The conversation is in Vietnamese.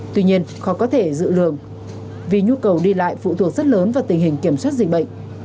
tuy nhiên khó có thể dự lường vì nhu cầu đi lại phụ thuộc rất lớn vào tình hình kiểm soát dịch bệnh